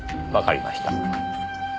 わかりました。